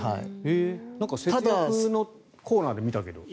節約のコーナーで見たけど。